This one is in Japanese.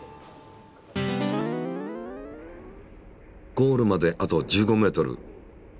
ゴールまであと１５ｍ。